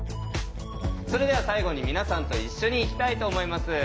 それでは最後に皆さんと一緒にいきたいと思います。